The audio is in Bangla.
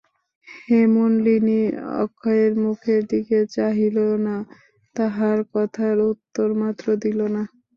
হেমনলিনী অক্ষয়ের মুখের দিকে চাহিল না, তাহার কথার উত্তরমাত্র দিল না।